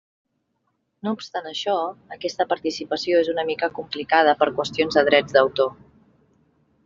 No obstant això, aquesta participació és una mica complicada per qüestions de drets d'autor.